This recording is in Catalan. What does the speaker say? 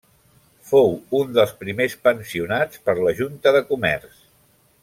Fou un dels primers pensionats per la Junta de Comerç.